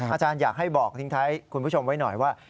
อาจารย์อยากให้บอกทิ้งท้ายคุณผู้ชมไว้หน่อยว่า